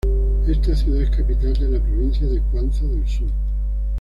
Esta ciudad es capital de la provincia de Cuanza del Sur.